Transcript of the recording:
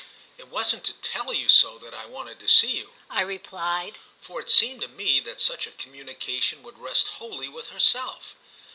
"It wasn't to tell you so that I wanted to see you," I replied; "for it seemed to me that such a communication would rest wholly with herself.